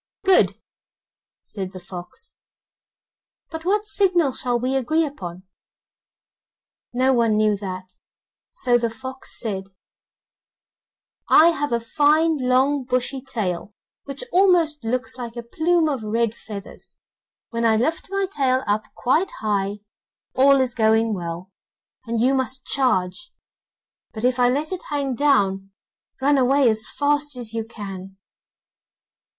'Good,' said the fox, 'but what signal shall we agree upon?' No one knew that, so the fox said: 'I have a fine long bushy tail, which almost looks like a plume of red feathers. When I lift my tail up quite high, all is going well, and you must charge; but if I let it hang down, run away as fast as you can.